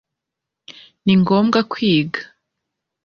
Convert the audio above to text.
ningomba kwiga